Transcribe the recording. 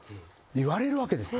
言われるわけですよ。